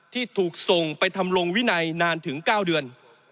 ที่ถูกส่งไปทำลงวินัยนานถึง๙เดือน